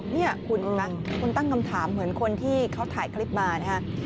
นี่คุณนะคุณตั้งคำถามเหมือนคนที่เขาถ่ายคลิปมานะฮะ